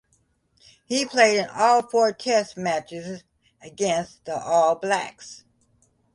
He played in all four test matches against the All Blacks.